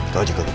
kau juga gemar